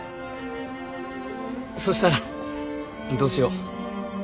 そしたらどうしよう。